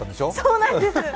そうなんです！